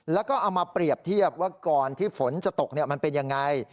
แล้วก็เอามาเปรียบเทียบว่าก่อนที่ฝนจะตกมันเป็นยังไง